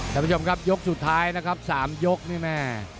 กับชมครับยกสุดท้ายนะครับ๓ยกนี่แม่